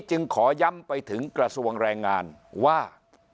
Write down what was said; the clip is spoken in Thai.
จึงขอย้ำไปถึงกระทรวงแรงงานว่า